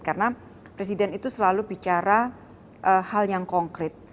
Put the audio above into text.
karena presiden itu selalu bicara hal yang konkret